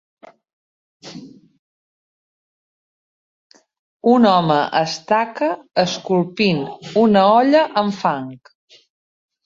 Un home es taca esculpint una olla amb fang